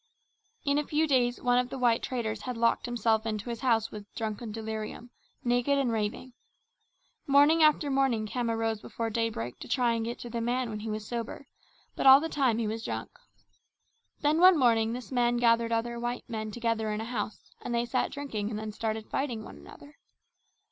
In a few days one of the white traders had locked himself into his house in drunken delirium, naked and raving. Morning after morning Khama rose before daybreak to try and get to the man when he was sober, but all the time he was drunk. Then one morning this man gathered other white men together in a house and they sat drinking and then started fighting one another.